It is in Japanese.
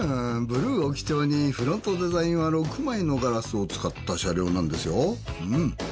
ブルーを基調にフロントデザインは６枚のガラスを使った車両なんですようん。